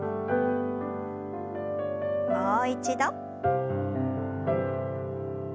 もう一度。